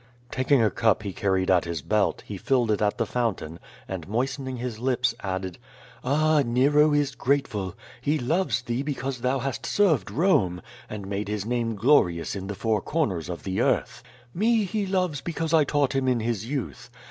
Taking a cup he carried at his belt, he filled it at the foun tain, and moistening his lips, added: "Ah, Nero is grateful. He loves thee because thou hast served Home, and made his name glorious in the four corners of the earth. Me he loves because I taught him in his youth.